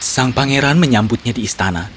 sang pangeran menyambutnya di istana